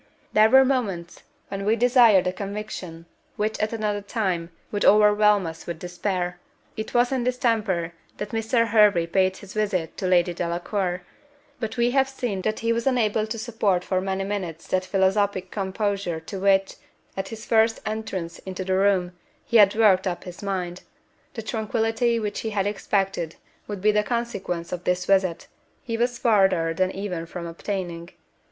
There are moments when we desire the conviction which at another time would overwhelm us with despair: it was in this temper that Mr. Hervey paid his visit to Lady Delacour; but we have seen that he was unable to support for many minutes that philosophic composure to which, at his first entrance into the room, he had worked up his mind. The tranquillity which he had expected would be the consequence of this visit, he was farther than ever from obtaining.